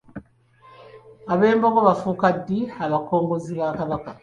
Abembogo baafuuka ddi abakongozzi ba Kabaka?